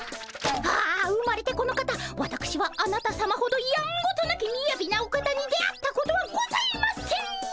ああ生まれてこの方わたくしはあなたさまほどやんごとなきみやびなお方に出会ったことはございません！